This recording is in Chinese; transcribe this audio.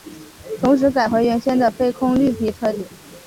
同时改回原先的非空绿皮车底。